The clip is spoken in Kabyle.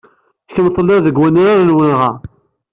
Kemm tellid deg wenrar n wenɣa?